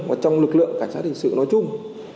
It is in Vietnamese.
và trong lực lượng cảnh sát hình sự nói chung